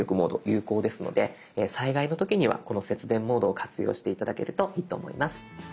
有効ですので災害の時にはこの節電モードを活用して頂けるといいと思います。